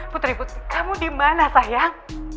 putri kamu di mana sayang